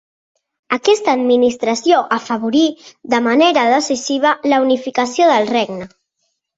Aquesta administració afavorí de manera decisiva la unificació del regne.